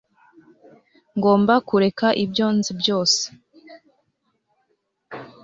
ngomba kureka ibyo nzi byose